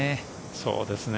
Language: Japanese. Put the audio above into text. そうですね。